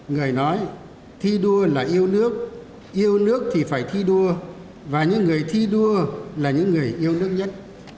người nói thi đua là yêu nước yêu nước thì phải thi đua và những người thi đua là những người yêu nước nhất